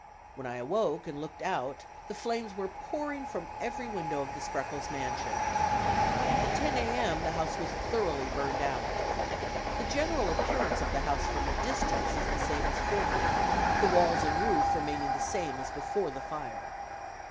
When I awoke and looked out the flames were pouring from every window of the Spreckels mansion. At 10 A. M. the house was thoroughly burned out. (The general appearance of the house from a distance is the same as formerly, the walls and roof remaining the same as before the fire.)